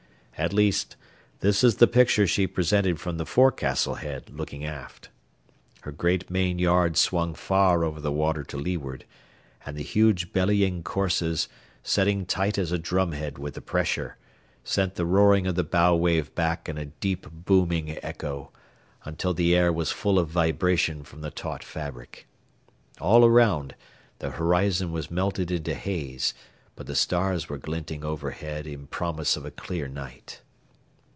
At least, this is the picture she presented from the forecastle head looking aft. Her great main yard swung far over the water to leeward, and the huge bellying courses, setting tight as a drumhead with the pressure, sent the roaring of the bow wave back in a deep booming echo, until the air was full of vibration from the taut fabric. All around, the horizon was melted into haze, but the stars were glinting overhead in promise of a clear night.